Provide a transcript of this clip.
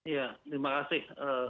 ya terima kasih